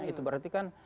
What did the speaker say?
itu berarti kan